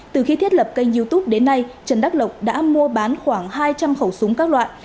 từ khi thiết lập kênh youtube đến nay trần đắc lộc đã mua bán khoảng hai trăm linh khẩu súng các loại